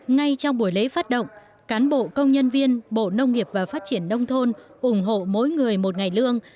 ngay trong buổi lễ phát động cán bộ công nhân viên bộ nông nghiệp và phát triển đông thôn ủng hộ mỗi người một ngày lương